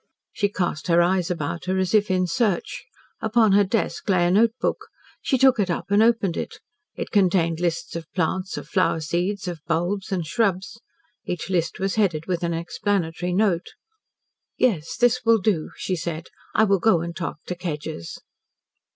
She cast her eyes about her as if in search. Upon her desk lay a notebook. She took it up and opened it. It contained lists of plants, of flower seeds, of bulbs, and shrubs. Each list was headed with an explanatory note. "Yes, this will do," she said. "I will go and talk to Kedgers."